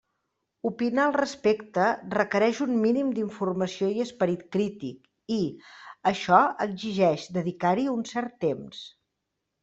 Opinar al respecte requereix un mínim d'informació i esperit crític, i això exigeix dedicar-hi un cert temps.